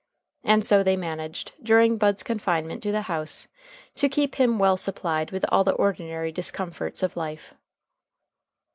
And so they managed, during Bud's confinement to the house, to keep him well supplied with all the ordinary discomforts of life.